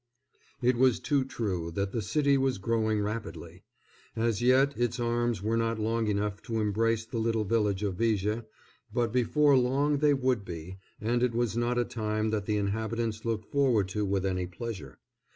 IT was too true that the city was growing rapidly. As yet its arms were not long enough to embrace the little village of Viger, but before long they would be, and it was not a time that the inhabitants looked forward to with any pleasure.